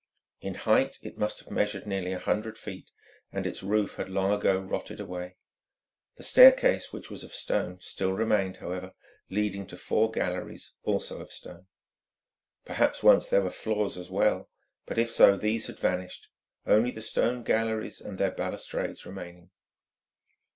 In height it must have measured nearly a hundred feet, and its roof had long ago rotted away. The staircase, which was of stone, still remained, however, leading to four galleries, also of stone. Perhaps once there were floors as well, but if so these had vanished, only the stone galleries and their balustrades remaining.